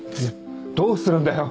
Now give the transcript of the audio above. どうするんだよ？